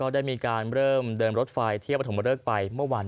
นอกจากนั้นคุณผู้ชมเรื่องของสิ่งอำนวยความสะดวก